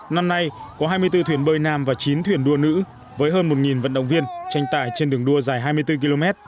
năm nay có hai mươi bốn thuyền bơi nam và chín thuyền đua nữ với hơn một vận động viên tranh tải trên đường đua dài hai mươi bốn km